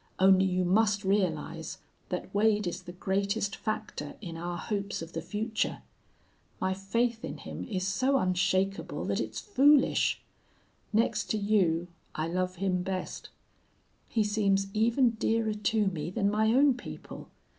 Only you must realize that Wade is the greatest factor in our hopes of the future. My faith in him is so unshakable that it's foolish. Next to you I love him best. He seems even dearer to me than my own people.